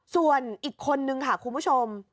ส่วนอีกคนนึงค่ะคุณผู้ชม